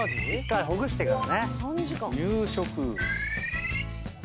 １回ほぐしてからね。